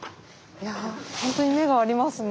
いやほんとに目がありますね。